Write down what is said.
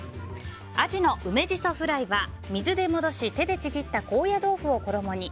アジの梅ジソフライは、水で戻し手でちぎった高野豆腐を衣に。